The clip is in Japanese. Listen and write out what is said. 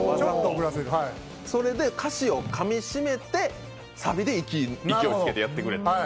それで歌詞をかみしめて、サビで勢いつけていく。